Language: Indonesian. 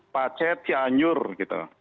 pace cianjur gitu